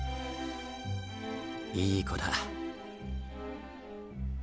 いい子だ。